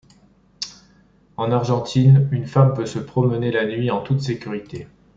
En Argentine, une femme peut se promener la nuit en toute sécurité.